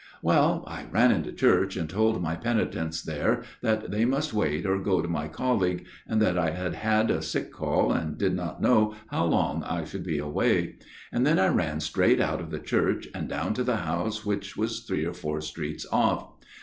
" Well, I ran into church and told my penitents there that they must wait, or go to my colleague, and that I had had a sick call and did not know how long I should be away ; and then I ran straight out of the church, and down to the house which was three or four streets off.